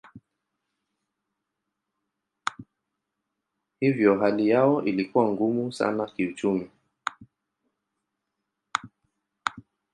Hivyo hali yao ilikuwa ngumu sana kiuchumi.